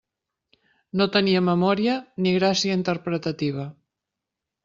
No tenia memòria ni gràcia interpretativa.